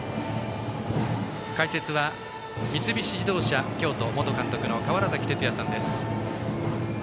解説は三菱自動車京都元監督の川原崎哲也さんです。